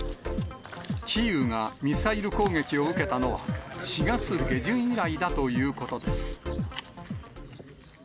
キーウがミサイル攻撃を受けたのは、４月下旬以来だということです。